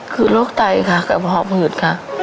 คือโรคไตกับหอมหืด